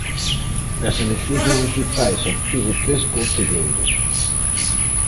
Nas eleccións municipais obtivo tres concelleiros.